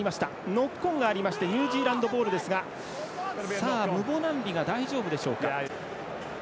ノックオンがありましてニュージーランドボールですがムボナンビが大丈夫でしょうか。